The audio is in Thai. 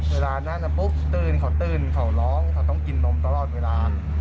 เวลานั่นปุ๊บตื่นเขาตื่นเขาร้องเขาต้องกินนมตลอดเวลา